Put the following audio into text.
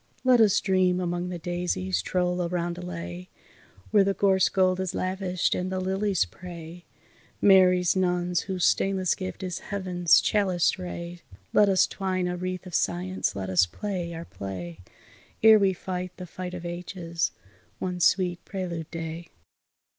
Let us dream among the daisies, troll a roundelay Where the gorse gold is lavished, and the lilies pray, Mary's nuns, whose stainless gift is Heaven's chaliced ray, Let us twine a wreath of science, let us play our play, Ere we fight the fight of ages, one sweet prelude day.